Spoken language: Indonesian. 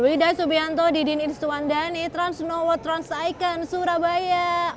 wadidah subianto didin istuwandani transnoworld trans icon surabaya